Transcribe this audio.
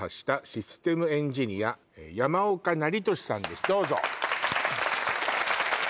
「システムエンジニア山岡成俊」さんです